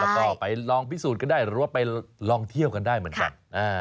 แล้วก็ไปลองพิสูจน์กันได้หรือว่าไปลองเที่ยวกันได้เหมือนกัน